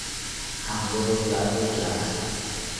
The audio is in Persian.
حمله و ضرب و جرح